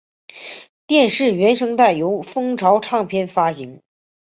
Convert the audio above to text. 电视原声带由风潮唱片发行。